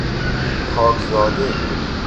پاکزاده